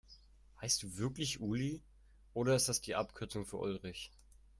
Heißt du wirklich Uli, oder ist das die Abkürzung für Ulrich?